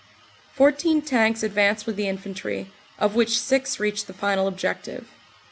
Fourteen tanks advanced with the infantry, of which six reached the final objective.